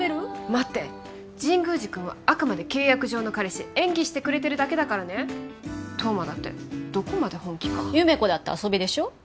待って神宮寺君はあくまで契約上の彼氏演技してくれてるだけだからね冬馬だってどこまで本気か優芽子だって遊びでしょ？